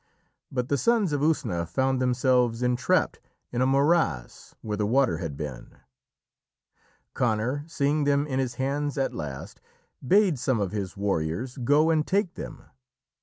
But the Sons of Usna found themselves entrapped in a morass where the water had been. Conor, seeing them in his hands at last, bade some of his warriors go and take them.